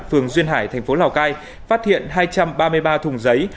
phường duyên hải thành phố lào cai phát hiện hai trăm ba mươi ba thùng giấy